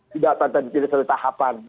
tidak terpilih dari tahapan